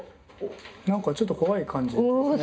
何かちょっと怖い感じですね。